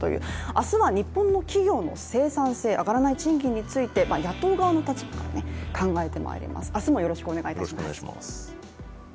明日は日本の企業の生産性上がらない賃金について、雇う側の立場から考えていきます。